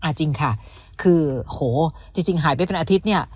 จริงค่ะจริงหายไปเป็นอาทิตย์